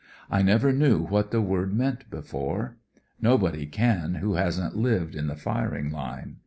I never knew what the word meant before. Nobody ctn who hasn't lived in the firing line.